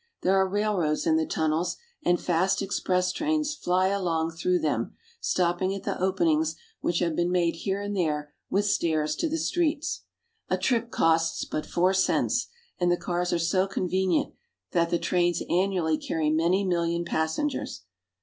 There are railroads in the tunnels, and fast express trains fly along through them, stopping at the openings which have been made here and there with stairs to the streets. A trip costs but four cents, and the cars are so convenient that the trains annually carry many million passengers.